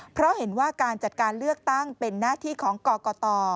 เพราะเห็นว่าการจัดการเลือกตั้งเป็นหน้าที่ของกรกต